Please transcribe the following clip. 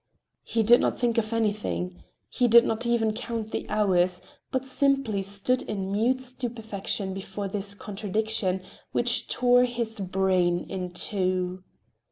He did not think of anything. He did not even count the hours, but simply stood in mute stupefaction before this contradiction which tore his brain in two.